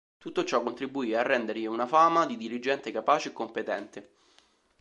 Tutto ciò contribuì a rendergli una fama di dirigente capace e competente.